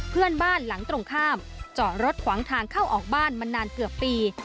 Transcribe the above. เพื่อนบ้านหลังตรงข้ามจอดรถขวางทางเข้าออกบ้านมานานเกือบปี